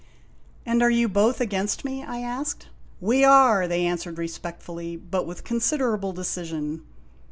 "And are you both against me?' I asked. "We are!" they answered respectfully, but with considerable decision.